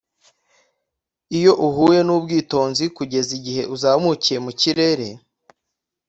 iyo uhuye nubwitonzi kugeza igihe uzamukiye mu kirere,